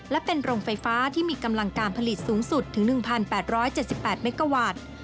และเป็นโรงไฟฟ้าที่มีกำลังการผลิตสูงสุดถึง๑๘๗๘เมกาวัตต์